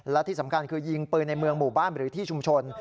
และที่สำคัญคือยิงปืนในเมืองหมู่บ้านหรือที่ชุมชน